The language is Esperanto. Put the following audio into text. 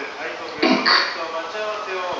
ek!